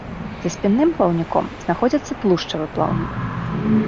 За спінным плаўніком знаходзіцца тлушчавы плаўнік.